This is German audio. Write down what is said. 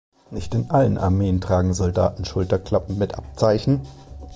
Nicht in allen Armeen tragen Soldaten Schulterklappen mit Abzeichen.